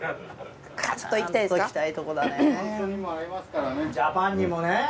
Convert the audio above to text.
カッ！といきたいとこだね。